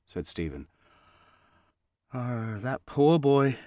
said Stephen. "Ah, that pore boy!"